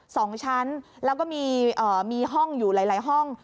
สองชั้นแล้วก็มีห้องอยู่หลายห้อง